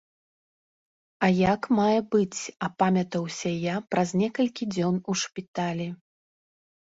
А як мае быць апамятаўся я праз некалькі дзён у шпіталі.